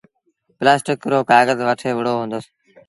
پلآسٽڪ رو ڪآگز وٺي وُهڙو هُندس۔